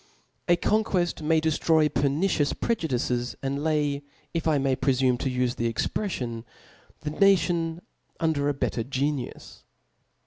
A conquett ipay dcftroy peitiicioqs prejudices, and' lay, if I may prefumc to iife fhe expreffioni the nation under a better genius.